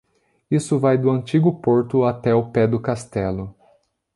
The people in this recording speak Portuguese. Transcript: Isso vai do antigo porto até o pé do castelo.